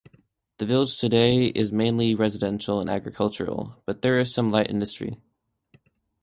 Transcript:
The village today is mainly residential and agricultural, but there is some light industry.